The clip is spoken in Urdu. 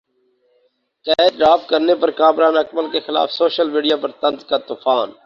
کیچ ڈراپ کرنے پر کامران اکمل کیخلاف سوشل میڈیا پر طنز کا طوفان